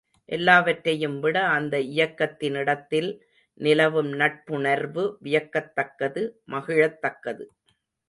எல்லாவற்றையும் விட அந்த இயக்கத்தினிடத்தில் நிலவும் நட்புணர்வு வியக்கத்தக்கது மகிழத் தக்கது.